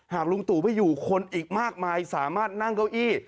ลุงตู่ไม่อยู่คนอีกมากมายสามารถนั่งเก้าอี้